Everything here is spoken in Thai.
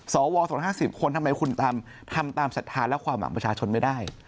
สว๒๕๐คนทำไมคุณทำสัทธานหรือภาพประชาชนไม่ได้